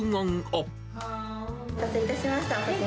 お待たせいたしました。